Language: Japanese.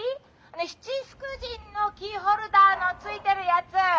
七福神のキーホルダーの付いてるやつ！